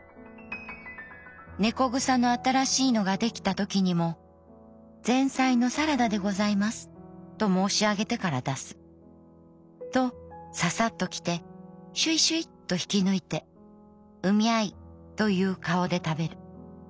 猫草の新しいのが出来たときにも『前菜のサラダでございます』と申し上げてから出す。とささっと来てしゅいしゅいと引き抜いて『うみゃい』という顔で食べる。